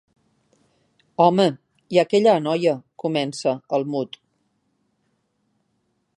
Home, hi ha aquella noia —comença el Mud.